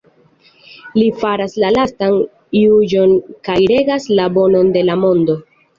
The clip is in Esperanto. Li faras la lastan juĝon kaj regas la Bonon de la Mondo.